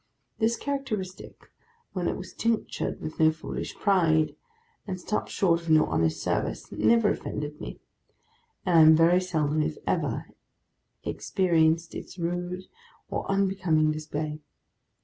This characteristic, when it was tinctured with no foolish pride, and stopped short of no honest service, never offended me; and I very seldom, if ever, experienced its rude or unbecoming display.